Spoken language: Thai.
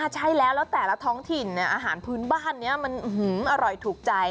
ใช่แล้วแล้วแต่ละท้องถิ่นอาหารพื้นบ้านนี้มันอร่อยถูกใจ